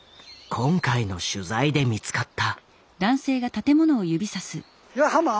今回の取材で見つかった。